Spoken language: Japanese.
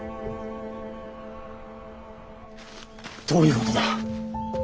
どういうことだ。